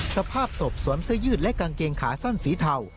สภาพศพสวมเสื้อยืดและกางเกงขาสั้นสีเทา